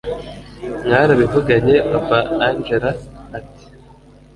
mwarabivuganye papa angella ati